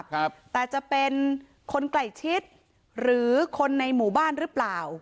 ครับแต่จะเป็นคนใกล้ชิดหรือคนในหมู่บ้านหรือเปล่า